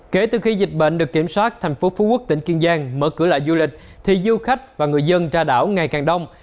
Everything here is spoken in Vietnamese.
kể từ khi dịch bệnh được kiểm soát thành phố phú quốc tỉnh kiên giang mở cửa lại du lịch thì du khách và người dân ra đảo ngày càng đông